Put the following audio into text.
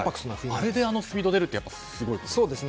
あれで、あのスピードが出るってすごいですね。